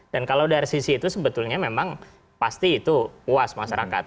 dan kalau dari sisi itu sebetulnya memang pasti itu puas masyarakat